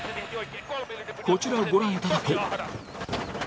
こちらをご覧いただこう。